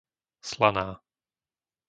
Slaná